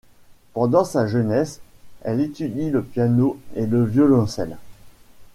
Pendant sa jeunesse, elle étudie le piano et le violoncelle.